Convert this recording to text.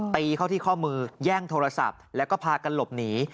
ตีเข้าที่ข้อมือแย่งโทรศัพท์แล้วก็พากันหลบหนี